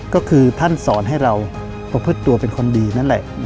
ก็คือท่านสอนให้เราประพฤติตัวเป็นคนดีนั่นแหละ